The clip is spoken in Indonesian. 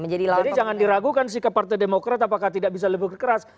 jadi jangan diragukan sikap partai demokrat apakah tidak bisa lebih keras